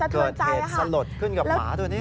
เกิดเหตุสลดขึ้นกับหมาตัวนี้